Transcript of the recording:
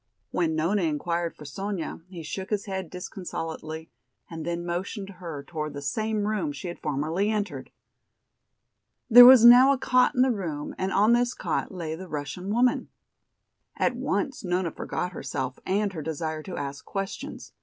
When Nona inquired for Sonya he shook his head disconsolately and then motioned her toward the same room she had formerly entered. There was now a cot in the room and on this cot lay the Russian woman. At once Nona forgot herself and her desire to ask questions.